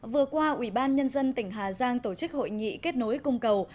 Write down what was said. vừa qua ủy ban nhân dân tỉnh hà giang tổ chức hội nghị kết nối cung cầu